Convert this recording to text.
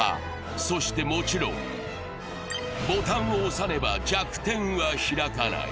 そしてもちろん、ボタンを押さねば弱点は開かない。